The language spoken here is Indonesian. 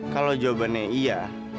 kalau jawabannya iya